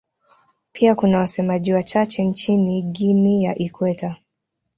Pia kuna wasemaji wachache nchini Guinea ya Ikweta.